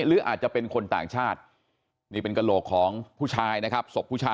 หรืออาจจะเป็นคนต่างชาตินี่เป็นกระโหลกของผู้ชายนะครับศพผู้ชาย